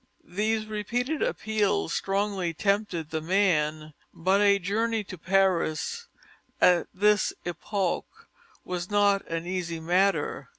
These repeated appeals strongly tempted the man, but a journey to Paris, at this epoch, was not an easy matter.